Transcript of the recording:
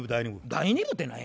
第２部って何や？